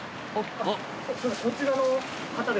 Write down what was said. こちらの方ですか？